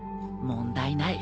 問題ない。